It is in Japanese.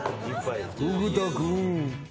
「フグ田君」